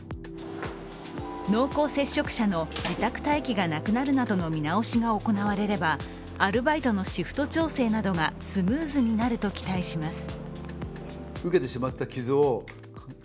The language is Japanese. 濃厚接触者の自宅待機がなくなるなどの見直しが行われればアルバイトのシフト調整などがスムーズになると期待します。